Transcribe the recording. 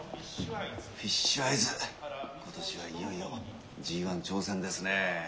フィッシュアイズ今年はいよいよＧⅠ挑戦ですね。